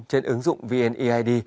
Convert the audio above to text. trên ứng dụng vneid